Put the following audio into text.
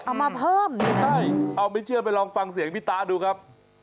เอามาเพิ่มไม่ใช่เอาไม่เชื่อไปลองฟังเสียงพี่ตาดูครับ